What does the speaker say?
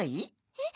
えっ？